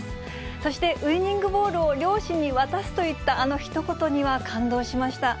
そしてウイニングボールを両親に渡すと言ったあのひと言には感動しました。